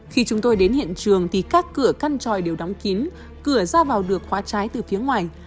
khi chúng tôi đến hiện trường thì các cửa căn tròi đều đóng kín cửa ra vào được khóa trái từ phía ngoài